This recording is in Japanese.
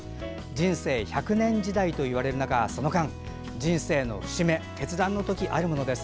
人生１００年時代といわれる中その間、人生の節目決断の時があるものです。